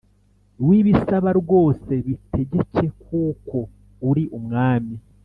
wibisaba rwose bitegeke kuko uri umwami